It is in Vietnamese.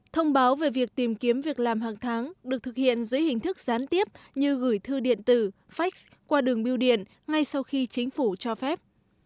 thông báo về việc tìm kiếm việc làm hàng tháng được thực hiện dưới hình thức gián tiếp như gửi thư điện tử fax qua đường biêu điện ngay sau khi chính phủ cho phép